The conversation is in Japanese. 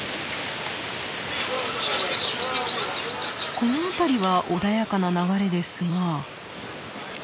この辺りは穏やかな流れですが。